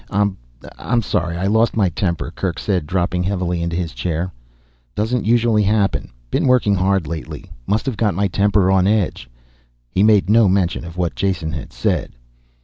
"I'm ... sorry I lost my temper," Kerk said, dropping heavily into his chair. "Doesn't usually happen. Been working hard lately, must have got my temper on edge." He made no mention of what Jason had said.